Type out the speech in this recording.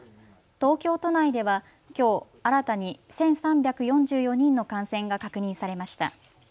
東京都内ではきょう新たに１３４４人の感染が確認されました。